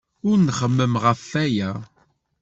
Ur nxemmem ɣef waya.